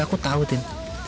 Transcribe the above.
aku tau tin